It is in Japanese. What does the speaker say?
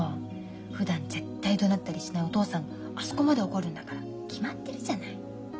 ふだん絶対どなったりしないお父さんがあそこまで怒るんだから決まってるじゃない。